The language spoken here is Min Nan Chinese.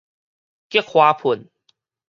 激華噴